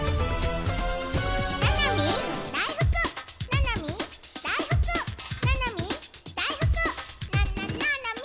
「ななみだいふくななみだいふく」「ななみだいふくななななみ」